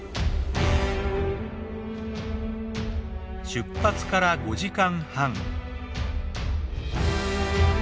出発から５時間半。